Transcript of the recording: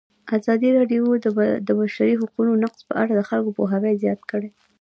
ازادي راډیو د د بشري حقونو نقض په اړه د خلکو پوهاوی زیات کړی.